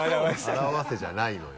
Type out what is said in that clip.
「表せ」じゃないのよ。